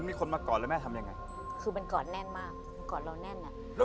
อ๋อมันมันตัวเขาแน่น